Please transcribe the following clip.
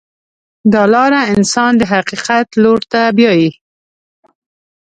دا لاره انسان د حقیقت لور ته بیایي.